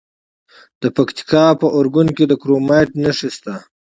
د پکتیکا په ارګون کې د کرومایټ نښې شته.